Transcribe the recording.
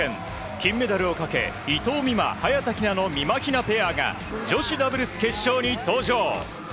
金メダルをかけ伊藤美誠、早田ひなのみまひなペアが女子ダブルス決勝に登場。